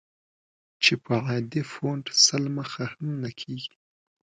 چې په عادي فونټ سل مخه هم نه کېږي.